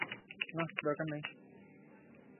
নাহ, দরকার নেই।